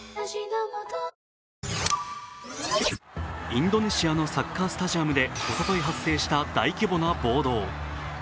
インドネシアのサッカースタジアムでおととい発生した大規模な暴動。